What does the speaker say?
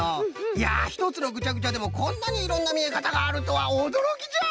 いやひとつのぐちゃぐちゃでもこんなにいろんなみえかたがあるとはおどろきじゃ。